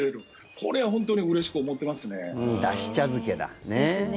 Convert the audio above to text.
これは本当にうれしく思ってますね。ですね。